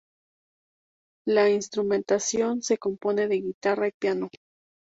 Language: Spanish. La instrumentación se compone de guitarra y piano.